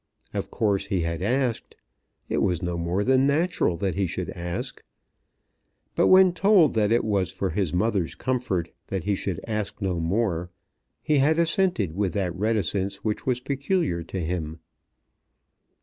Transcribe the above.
Of course he had asked. It was no more than natural that he should ask. But when told that it was for his mother's comfort that he should ask no more, he had assented with that reticence which was peculiar to him.